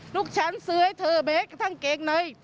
ลูกฉันซื้อให้เธอแม้กระทั่งเกงใน